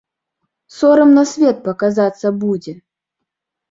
Сорам на свет паказацца будзе!